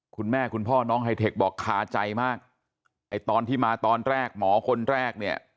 คุณพ่อน้องไฮเทคบอกคาใจมากไอ้ตอนที่มาตอนแรกหมอคนแรกเนี่ย